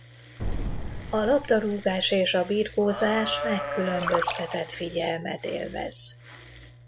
A labdarúgás és a birkózás megkülönböztetett figyelmet élvez.